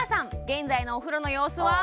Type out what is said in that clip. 現在のお風呂の様子は？